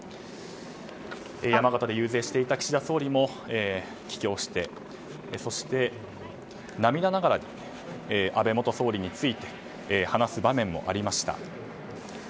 山形で遊説していた岸田総理も帰京してそして、涙ながらに安倍元総理について話す場面もありました。